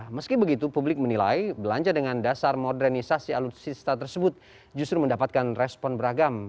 meski begitu publik menilai belanja dengan dasar modernisasi alutsista tersebut justru mendapatkan respon beragam